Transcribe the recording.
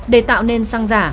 để tạo nên xăng giả